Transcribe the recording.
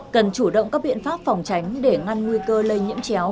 cần chủ động các biện pháp phòng tránh để ngăn nguy cơ lây nhiễm chéo